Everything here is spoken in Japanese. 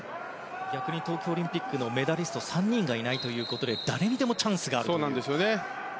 逆に東京オリンピックのメダリスト３人がいないので誰にでもチャンスがあると。